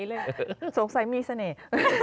มีอย่างสงสัยมีเสน่ห์